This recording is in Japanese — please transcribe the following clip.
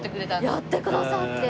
やってくださって。